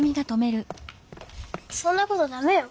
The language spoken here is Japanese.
そんなことだめよ。